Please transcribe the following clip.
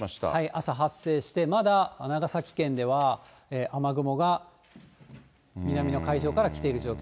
朝、発生して、まだ長崎県では、雨雲が南の海上から来ている状況。